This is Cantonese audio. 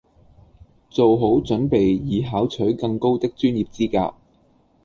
做好準備以考取更高的專業資格